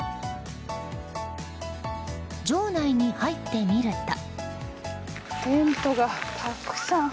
場内に入ってみると。